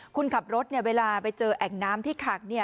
คุณขับรถเนี่ยเวลาไปเจอแอ่งน้ำที่ขักเนี่ย